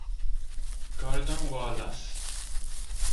Gordon Wallace